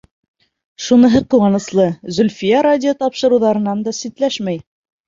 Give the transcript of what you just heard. Шуныһы ҡыуаныслы: Зөлфиә радио тапшырыуҙарынан да ситләшмәй.